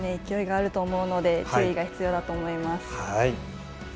勢いがあると思うので注意が必要だと思います。